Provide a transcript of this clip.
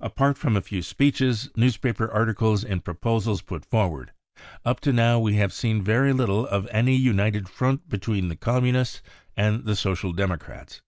Apart from a few speeches, newspaper articles and proposals put forward, up to now we have seen very little of any united front between the Communists and the Social Democrats.